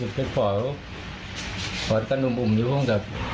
ไอ้ผมก็จะขอขอตัดหนุ่มอุ่มอยู่ห้องจับ